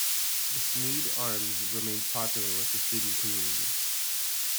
The Sneyd Arms remains popular with the student community.